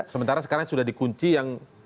sementara sekarang sudah dikunci yang